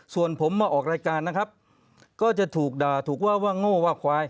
ส่วนผมมาออกรายการนะครับก็จะถูกด่าถูกว่าว่าโง่ว่าควาย